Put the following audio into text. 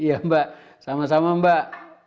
iya mbak sama sama mbak